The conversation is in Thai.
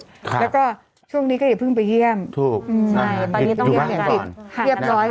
แล้วก็ช่วงนี้ก็อย่าเพิ่งไปเยี่ยมอยู่บ้านก่อนหันนะครับ